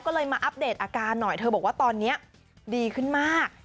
ก็เลยมาอัปเดตอาการหน่อยเธอบอกว่าตอนนี้ดีขึ้นมาก